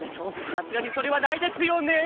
さすがにそれはないですよね。